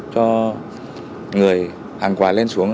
cho người hàng hóa lên xuống